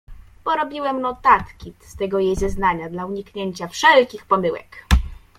"Porobiłem notatki z tego jej zeznania dla uniknięcia wszelkich pomyłek“."